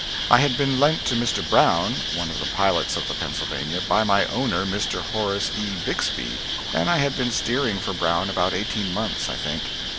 I had been lent to Mr. Brown, one of the pilots of the "Pennsylvania," by my owner, Mr. Horace E. Bixby, and I had been steering for Brown about eighteen months, I think.